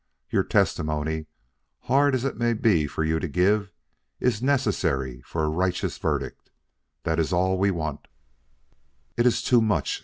Your testimony, hard as it may be for you to give it, is necessary for a righteous verdict. That is all we want " "It is too much!"